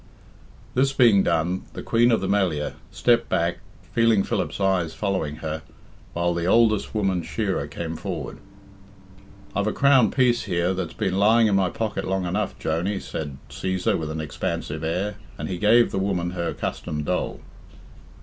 This being done; the Queen of the Melliah stepped back, feeling Philip's eyes following her, while the oldest woman shearer came forward. "I've a crown piece, here that's being lying in my pocket long enough, Joney," said Cæsar with an expansive air, and he gave the woman her accustomed dole.